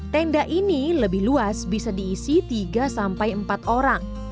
tenda ini lebih luas bisa diisi tiga sampai empat orang